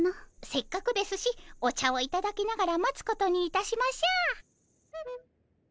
せっかくですしお茶をいただきながら待つことにいたしましょう。